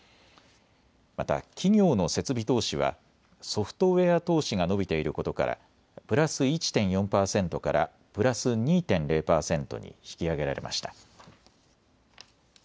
また企業の設備投資はソフトウエア投資が伸びていることからプラス１．４％からプラス２．０％に引き上げられました。